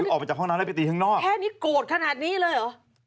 คือออกไปจากห้องนั้นแล้วไปตีข้างนอกแค่นี้โกรธขนาดนี้เลยเหรอ